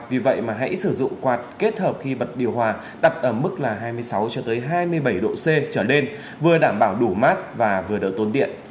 vì vậy mà hãy sử dụng quạt kết hợp khi bật điều hòa đặt ở mức là hai mươi sáu cho tới hai mươi bảy độ c trở lên vừa đảm bảo đủ mát và vừa đỡ tốn điện